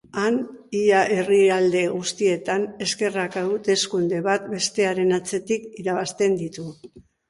Han, ia herrialde guztietan, ezkerrak hauteskunde bat bestearen atzetik irabazten ditu.